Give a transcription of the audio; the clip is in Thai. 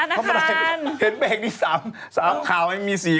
อะไรเนี่ยธนาคารเห็นแบงนี้๓ข่าวยังมี๔ข่าวได้ไงเนี่ย